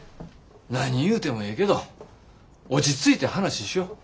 何言うてもええけど落ち着いて話しよ。